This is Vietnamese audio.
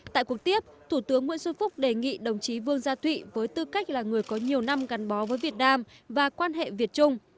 tại cuộc tiếp thủ tướng nguyễn xuân phúc đề nghị đồng chí vương gia thụy với tư cách là người có nhiều năm gắn bó với việt nam và quan hệ việt trung